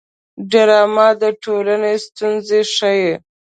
ډرامه د ټولنې ستونزې ښيي